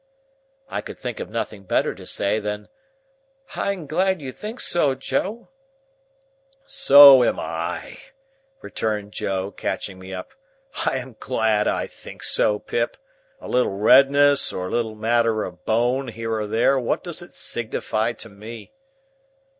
I could think of nothing better to say than "I am glad you think so, Joe." "So am I," returned Joe, catching me up. "I am glad I think so, Pip. A little redness or a little matter of Bone, here or there, what does it signify to Me?"